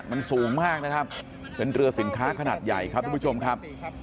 มันสูงมากนะครับเป็นเรือสินค้าขนาดใหญ่ครับทุกผู้ชมครับ